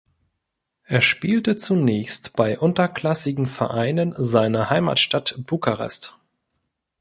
Er spielte zunächst bei unterklassigen Vereinen seiner Heimatstadt Bukarest.